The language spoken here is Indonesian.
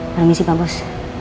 permisi pak bos